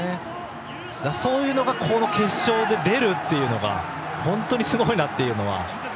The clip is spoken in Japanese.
そういうのが決勝で出るというのが本当にすごいなという。